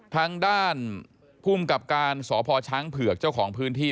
ทางด้านภูมิกับการสพช้างเผือกเจ้าของพื้นที่